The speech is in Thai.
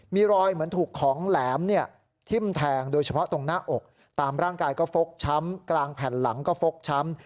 มีรอยเหมือนถูกของแหลมเนี่ยทิ้มแทงโดยเฉพาะตรงหน้าอกตามร่างกายก็ฟกช้ำกลางแผ่นหลังก็ฟกช้ำ